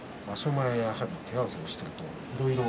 前は手合わせをしているといろいろと。